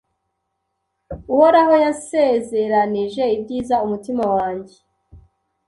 Uhoraho yansezeranije ibyiza umutima wanjye